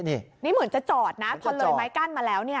นี่เหมือนจะจอดนะพอเลยไม้กั้นมาแล้วเนี่ย